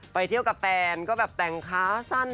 ไปเที่ยวกับแฟนก็แบบแต่งขาสั้น